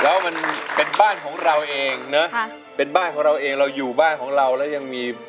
แล้วมันเป็นบ้านของเราเองนะเป็นบ้านของเราเองเราอยู่บ้านของเราแล้วยังมี